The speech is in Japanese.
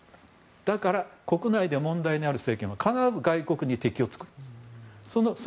だから、国内で問題のある政権は必ず外国に敵を作る。